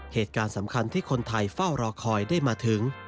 เหตุการณ์สำคัญที่คนไทยเฝ้ารอคอยได้มาถึง